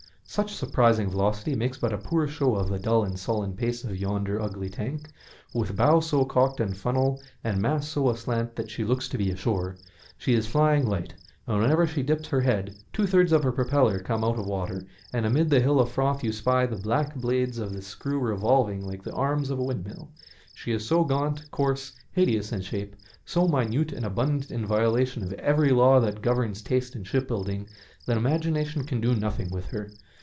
Such surprising velocity makes but a poor show of the dull and sullen pace of yonder ugly tank, with bow so cocked and funnel and masts so aslant that she looks to be ashore. She is flying light, and whenever she dips her head two thirds of her propeller come out of water, and amid the hill of froth you spy the black blades of the screw revolving like the arms of a windmill. She is so gaunt, coarse, hideous in shape, so minute and abundant a violation of every law that governs taste in shipbuilding, that imagination can do nothing with her.